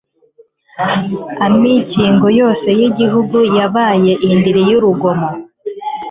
amikingo yose y’igihugu yabaye indiri y’urugomo